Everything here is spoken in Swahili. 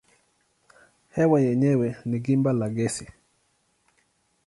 Hewa yenyewe ni gimba la gesi.